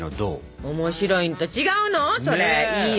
面白いんと違うのそれいいよ。